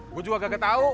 gue juga gak ketau